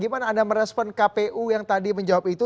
gimana anda merespon kpu yang tadi menjawab itu